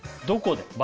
どこで？